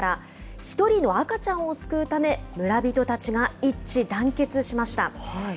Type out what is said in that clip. １人の赤ちゃんを救うため、村人たちが一致団結しました。